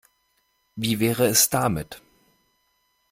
Wie wäre es damit?